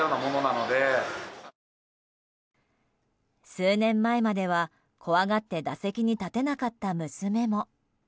数年前までは、怖がって打席に立てなかった娘も。